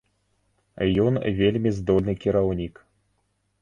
Ён вельмі здольны кіраўнік.